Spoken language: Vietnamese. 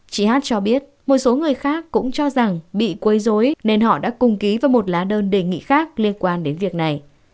chị hát cho biết một số người khác cũng cho rằng bị quấy dối nên họ đã cùng ký vào một lá đơn đề nghị khác liên quan đến việc này